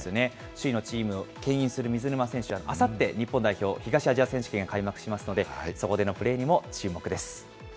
首位のチームをけん引する水沼選手、あさって、日本代表、東アジア選手権、開幕しますので、そこでのプレーにも注目です。